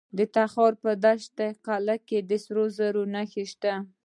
د تخار په دشت قلعه کې د سرو زرو نښې شته.